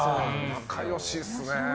仲良しですね。